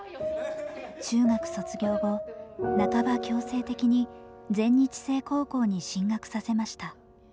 中学卒業後半ば強制的に全日制高校に進学させました。